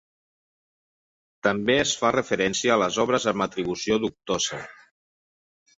També es fa referència a les obres amb atribució dubtosa.